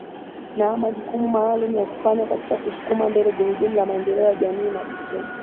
na majukumu maalum ya kufanya katika kusukuma mbele gurudumu la maendeleo ya jamii Majukumu